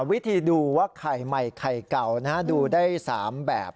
วิธีดูว่าไข่ใหม่ไข่เก่าดูได้๓แบบ